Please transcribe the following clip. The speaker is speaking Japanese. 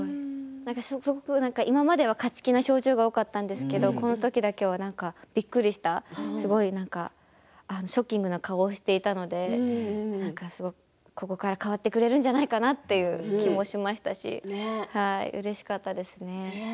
今までは勝ち気な表情が多かったんですけどこの時だけはびっくりしたすごい何かショッキングな顔をしていたのでここから変わってくれるんじゃないかなという気もしましたしうれしかったですね。